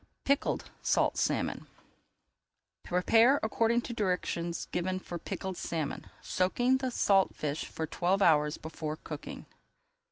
PICKLED SALT SALMON Prepare according to directions given for Pickled Salmon, soaking the salt fish for twelve hours before cooking.